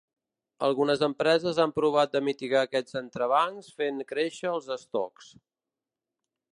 Algunes empreses han provat de mitigar aquests entrebancs fent créixer els estocs.